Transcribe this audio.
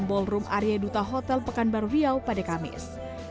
ballroom area duta hotel pekanbaru riau pada kamis